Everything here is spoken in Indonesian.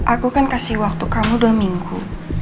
aku kan kasih waktu kamu dua minggu